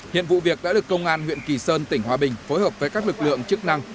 hiện vụ việc đã được công an huyện kỳ sơn tỉnh hòa bình phối hợp với các lực lượng chức năng